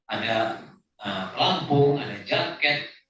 ada pelampung ada jangket